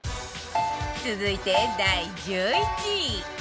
続いて第１１位